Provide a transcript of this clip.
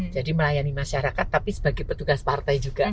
jadi melayani masyarakat tapi sebagai petugas partai juga